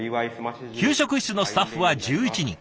給食室のスタッフは１１人。